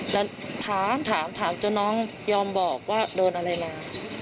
แล้วถามถามจนน้องยอมบอกว่าโดนอะไรมา